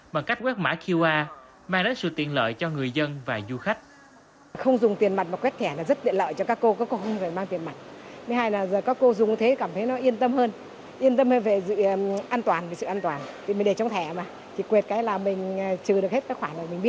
bằng cách quét mã qr mang đến sự tiện lợi cho người dân và du khách